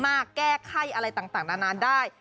แก้ไข้อะไรต่างนานได้